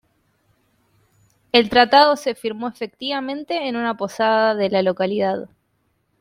El tratado se firmó efectivamente en una posada de la localidad.